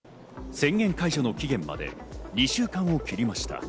宣言解除の期限まで２週間を切りました。